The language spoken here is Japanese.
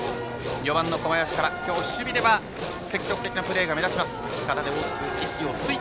４番の小林からきょう、守備では積極的なプレーが目立ちます。